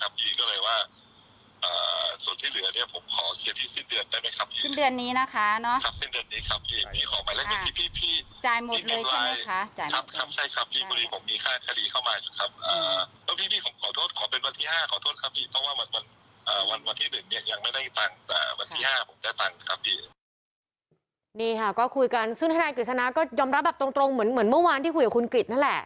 อ่าวันที่ห้าผมได้ตังค์ครับพี่นี่ค่ะก็คุยกันซึ่งท่านายกริจชนะก็ยอมรับแบบตรงตรงเหมือนเหมือนเมื่อวานที่คุยกับคุณกริจนั่นแหละ